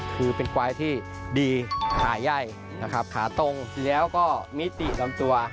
คือเป็นควายที่ดีขาใหญ่นะครับขาตรงแล้วก็มิติลำตัว